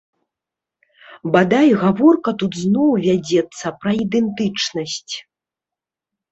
Бадай, гаворка тут зноў вядзецца пра ідэнтычнасць.